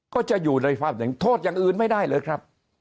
ก็จะอยู่ในสภาพนึงโทษอย่างอื่นไม่ได้เลยครับ